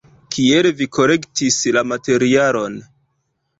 Kiel vi kolektis la materialon?